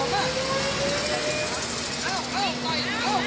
ไม่ใหญ่ครับไม่ใหญ่